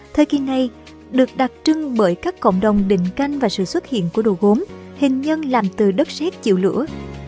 thời kỳ này được đặc trưng bởi các cộng đồng định canh và sự xuất hiện của đồ gốm hình nhân làm từ đất xét chịu lửa